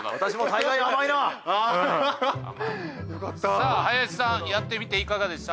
さあ林さんやってみていかがでした？